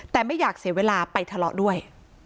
แต่ไม่อยากเสียเวลาไปทะเลาะด้วย